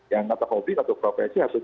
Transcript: yang atau hobi atau profesi harus